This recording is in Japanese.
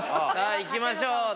さぁいきましょう。